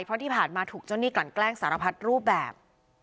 เพราะที่ผ่านมาถูกเจ้าหนี้กลั่นแกล้งสารพัดรูปแบบ